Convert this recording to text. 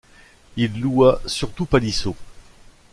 Il loua surtout Palissot.